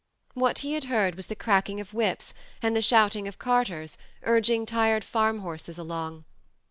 What he had heard was the cracking of whips and the shouting of carters urging tired farm horses along.